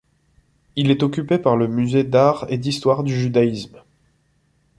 Il est occupé par le Musée d'art et d'histoire du judaïsme.